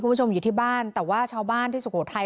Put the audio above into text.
คุณผู้ชมอยู่ที่บ้านแต่ว่าชาวบ้านที่สุโขทัย